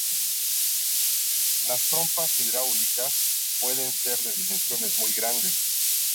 Las trompas hidráulicas pueden ser de dimensiones muy grandes.